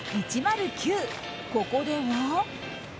ここでは。